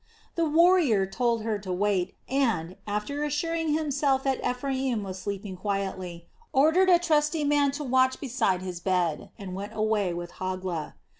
The warrior told her to wait and, after assuring himself that Ephraim was sleeping quietly, ordered a trusty man to watch beside his bed and went away with Hogla.